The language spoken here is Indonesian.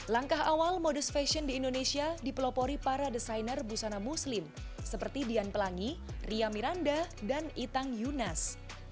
langkah awal modus fashion di indonesia dipelopori para desainer busana muslim seperti dian pelangi ria miranda dan itang yunas